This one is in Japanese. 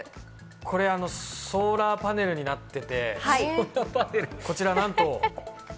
これソーラーパネルになってて、こちらなんと。